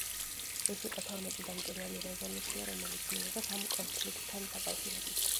ეს იყო თორმეტიდან პირველი რეზოლუცია, რომელიც მიიღეს ამ კონფლიქტთან დაკავშირებით.